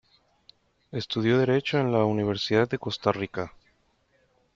Estudió derecho en la Universidad de Costa Rica.